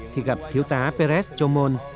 thì gặp thiếu tá perez chomon